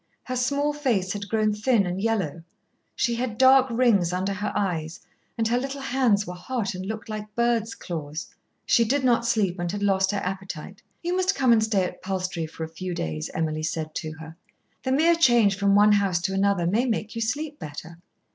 Her small face had grown thin and yellow, she had dark rings under her eyes, and her little hands were hot and looked like bird's claws. She did not sleep and had lost her appetite. "You must come and stay at Palstrey for a few days," Emily said to her. "The mere change from one house to another may make you sleep better."